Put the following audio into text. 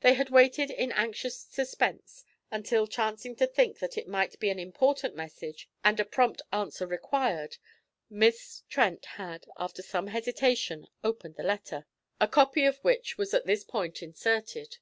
They had waited in anxious suspense until, chancing to think that it might be an important message and a prompt answer required, Miss Trent had, after some hesitation, opened the letter, a copy of which was at this point inserted.